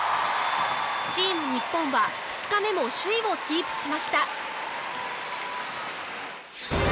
チーム日本は２日目も首位をキープしました。